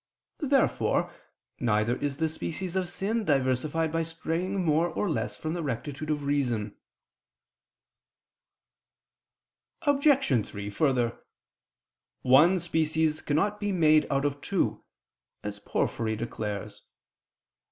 Therefore neither is the species of sin diversified by straying more or less from the rectitude of reason. Obj. 3: Further, "one species cannot be made out of two," as Porphyry declares [*Isagog.; cf. Arist. Metaph. i].